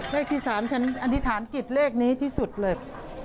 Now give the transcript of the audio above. เลขที่๓ฉันอธิษฐานจิตเลขนี้ที่สุดเลย